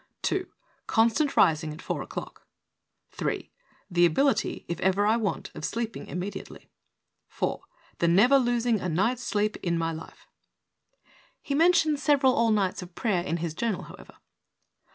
"2. Constant rising at 4 o'clock. 3. The ability, if ever I want, of sleeping immediately. 4. The never losing a night's sleep in my life." (He mentions several all nights of prayer in his journal, however.)